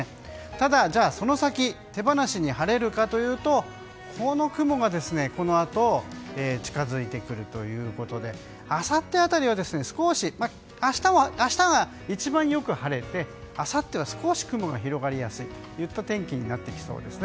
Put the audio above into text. ただ、その先手放しに晴れるかというとこの雲がこのあと近づいてくるということで明日が一番よく晴れてあさっては少し雲が広がりやすい天気になりそうです。